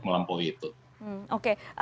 melampaui itu oke